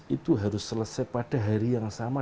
itu harus selesai pada hari yang sama